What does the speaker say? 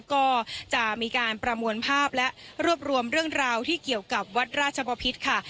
ก็จะมีการประมวลภาพและรวบรวมเรื่องราวที่เกี่ยวกับวัดราชบพิษค่ะ